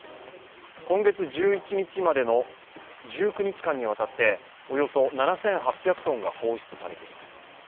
今月１１日までの１９日間にわたっておよそ７８００ｔが放出されています。